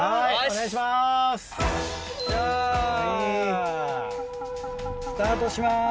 しゃスタートします。